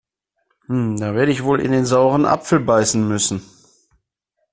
Da werde ich wohl in den sauren Apfel beißen müssen.